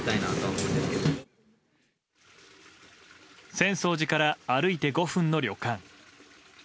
浅草寺から歩いて５分の旅館。